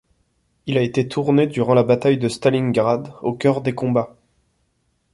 Il a été tourné durant la bataille de Stalingrad, au cœur des combats.